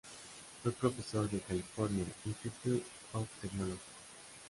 Fue profesor del California Institute of Technology.